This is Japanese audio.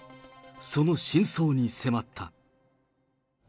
その真相に迫った。